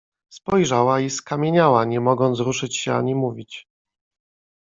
Spojrzała i skamieniała, nie mogąc ruszyć się ani mówić.